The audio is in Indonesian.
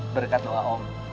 berkat tuhan om